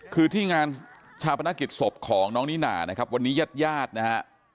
คือที่งานชาวพนักกิจศพของน้องนิน่านะครับวันนี้ญาติญาตินะฮะ